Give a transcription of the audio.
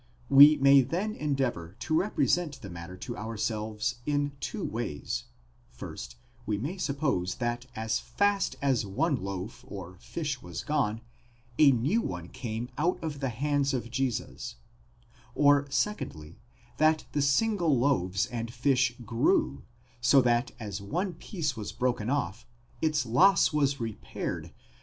We may then endeavour to represent the matter to ourselves in two ways: first we may suppose that as fast as one loaf or fish was gone, a new one came out of the hands of Jesus, or secondly, that the single loaves and fishes grew; so that as one piece was broken off, its loss was repaired, until on a calcula 10 Thus Olshausen, in loc.